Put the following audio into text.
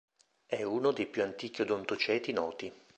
È uno dei più antichi odontoceti noti.